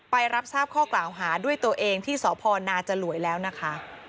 ไปรับทราบข้อกล่าวหาด้วยตัวเองที่สพนาจลวยแล้วนะคะ